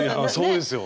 そうですよ。